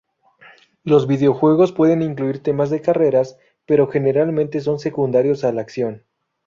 Los videojuegos pueden incluir temas de carreras, pero generalmente son secundarios a la acción.